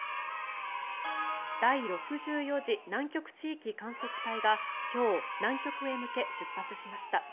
第６４次南極地域観測隊が今日、南極へ向け出発しました。